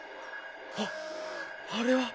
あっ「あれ」は！